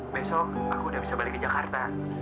besok aku udah bisa balik ke jakarta